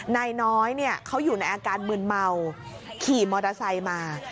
นายน้อยเขาอยู่ในอาการมืนเมาขี่มอเตอร์ไซค์มา